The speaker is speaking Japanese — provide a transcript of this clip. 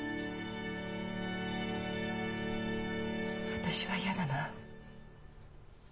私は嫌だな。